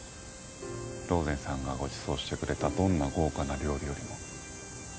ローゼンさんがごちそうしてくれたどんな豪華な料理よりも。